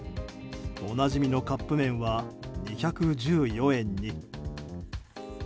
おなじみのカップ麺は２１４円に。